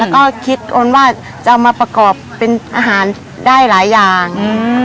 แล้วก็คิดโอนว่าจะเอามาประกอบเป็นอาหารได้หลายอย่างอืม